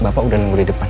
bapak udah nunggu di depan